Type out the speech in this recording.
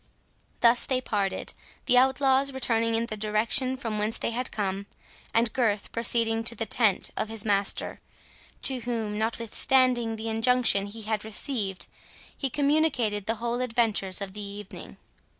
Thus they parted, the outlaws returning in the direction from whence they had come, and Gurth proceeding to the tent of his master, to whom, notwithstanding the injunction he had received, he communicated the whole adventures of the evening.